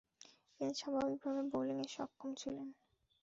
তিনি স্বাভাবিকভাবে বোলিংয়ে সক্ষম ছিলেন।